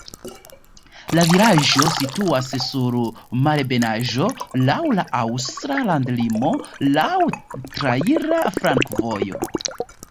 La vilaĝo situas sur malebenaĵo, laŭ la aŭstra landlimo, laŭ traira flankovojo.